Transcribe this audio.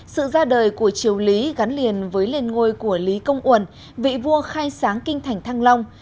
sự ra đời của triều lý gắn liền với lên ngôi của lý công uẩn vị vua khai sáng kinh thành thăng long